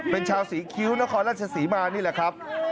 เป็นชาวศรีคิ้วนครราชศรีมานี่แหละครับ